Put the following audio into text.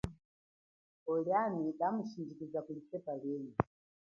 Pwo liami kamushindjikiza kuli sepa lienyi.